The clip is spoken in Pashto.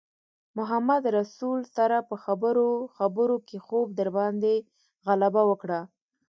محمدرسول سره په خبرو خبرو کې خوب راباندې غلبه وکړه.